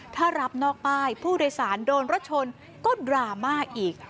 ถ้ารับนอกป้ายผู้โดยสารโดนรถชนก็ดราม่าอีก